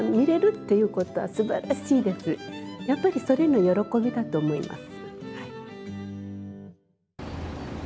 やっぱりそれの喜びだと思います。